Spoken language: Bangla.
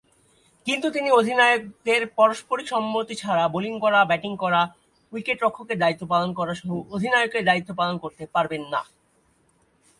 কিন্তু তিনি অধিনায়কদের পারস্পরিক সম্মতি ছাড়া বোলিং করা, ব্যাটিং করা, উইকেট-রক্ষকের দায়িত্ব পালন করাসহ অধিনায়কের দায়িত্ব পালন করতে পারবেন না।